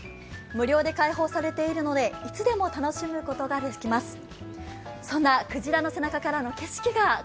無料で開放されているのでいつでも楽しむことができます。